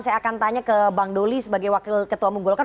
saya akan tanya ke bang doli sebagai wakil ketua umum golkar